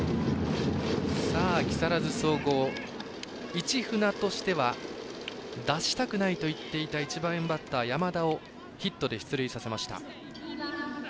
木更津総合、市船としては出したくないと言っていた１番バッター、山田をヒットで出塁させました。